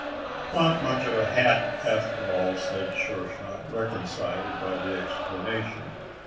"'Twan't much o' a hat, after all," said Sure shot, reconciled by the explanation.